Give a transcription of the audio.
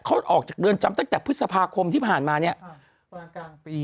เขาออกจากเรือนจำตั้งแต่พฤษภาคมที่ผ่านมาเนี่ยมากลางปี